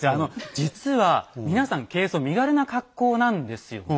実は皆さん軽装身軽な格好なんですよね。